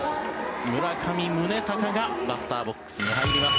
村上宗隆がバッターボックスに入ります。